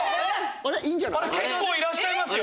結構いらっしゃいますよ！